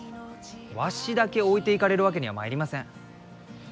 わしだけ置いていかれるわけにはまいりません。